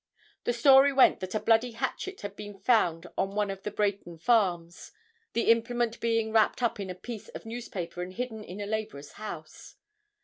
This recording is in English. The story went that a bloody hatchet had been found on one of the Brayton Farms, the implement being wrapped up in a piece of newspaper and hidden in a laborer's house.